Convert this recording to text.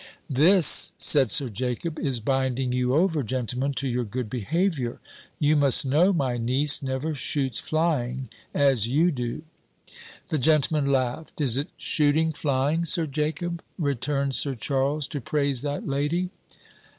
"This," said Sir Jacob, "is binding you over, gentlemen, to your good behaviour. You must know, my niece never shoots flying, as you do." The gentlemen laughed: "Is it shooting flying, Sir Jacob," returned Sir Charles, "to praise that lady?"